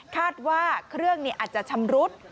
คาดว่าเครื่องอาจจะชำรุด